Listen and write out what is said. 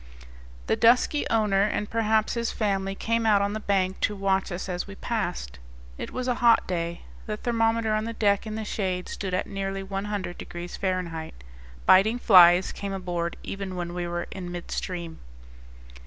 The dusky owner, and perhaps his family, came out on the bank to watch us as we passed. It was a hot day the thermometer on the deck in the shade stood at nearly 100 degrees Fahrenheit. Biting flies came aboard even when we were in midstream.